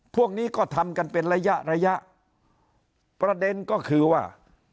พวกนี้ก็ทำกันเป็นระยะระยะประเด็นก็คือว่า